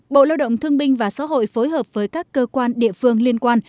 bộ lao động thương binh và xã hội phối hợp với các cơ quan địa phương liên quan